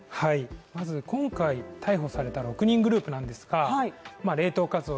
まず今回逮捕された６人グループなんですが冷凍カツオ